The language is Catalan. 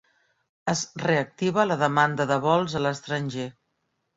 Es reactiva la demanda de vols a l'estranger.